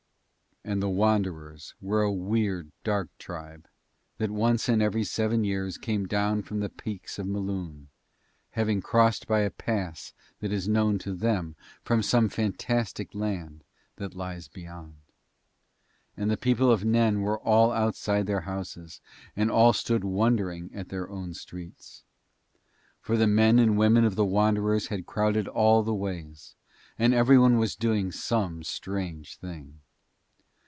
And the Wanderers were a weird, dark, tribe, that once in every seven years came down from the peaks of Mloon, having crossed by a pass that is known to them from some fantastic land that lies beyond. And the people of Nen were all outside their houses, and all stood wondering at their own streets. For the men and women of the Wanderers had crowded all the ways, and every one was doing some strange thing.